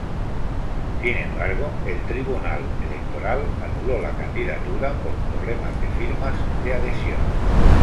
Sin embargo el Tribunal Electoral anuló la candidatura por problemas de firmas de adhesión.